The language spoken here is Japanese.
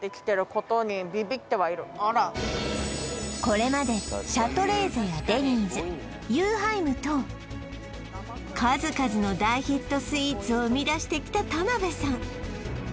これまでシャトレーゼやデニーズユーハイムと数々の大ヒットスイーツを生み出してきた田辺さん